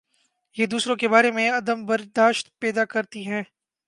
یہ دوسروں کے بارے میں عدم بر داشت پیدا کر تی ہے۔